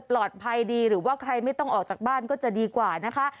ปลอดภัยดีหรือว่าใครไม่ต้องออกจากบ้านก็จะดีกว่านะคะ